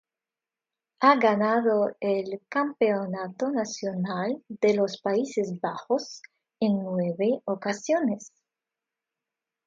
Ha ganado el campeonato nacional de los Países Bajos en nueve ocasiones.